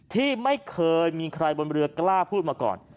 ที่ไม่เคยมีใครบนเรือกล้าพูดมาก่อน